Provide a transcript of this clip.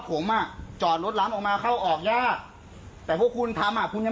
ผมไม่เห็นความที่เขาจะมาชื่อ